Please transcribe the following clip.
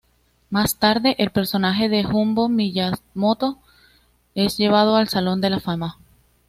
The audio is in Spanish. Más tarde, el personaje de Jumbo Miyamoto es llevado al Salón de la Fama.